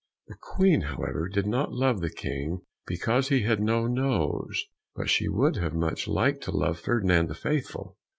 The Queen, however, did not love the King because he had no nose, but she would have much liked to love Ferdinand the Faithful.